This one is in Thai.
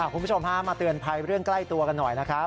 คุณผู้ชมฮะมาเตือนภัยเรื่องใกล้ตัวกันหน่อยนะครับ